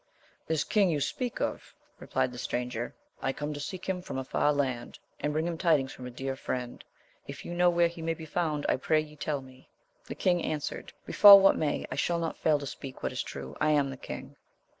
This king you speak of, replied the stranger, I come to seek him from a far land, and bring him tidings from a dear friend. If you know where he may be found, I pray you tell me. The king answered, Befal what may, I shall not fail to speak what is true. I am the king.